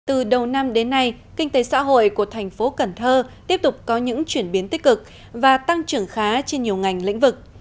từ đầu năm đến nay kinh tế xã hội của thành phố cần thơ tiếp tục có những chuyển biến tích cực và tăng trưởng khá trên nhiều ngành lĩnh vực